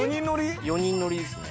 ４人乗りですね。